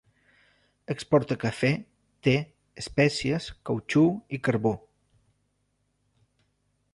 Exporta cafè, te, espècies, cautxú i carbó.